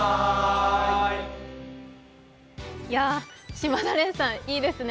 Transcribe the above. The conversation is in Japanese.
島田廉さん、いいですね。